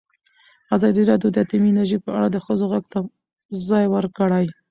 ازادي راډیو د اټومي انرژي په اړه د ښځو غږ ته ځای ورکړی.